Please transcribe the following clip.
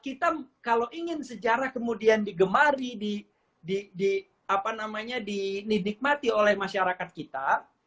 kita kalau ingin sejarah kemudian digemari dinikmati oleh masyarakat kita